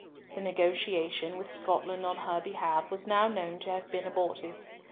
The negotiation with Scotland on her behalf was now known to have been abortive.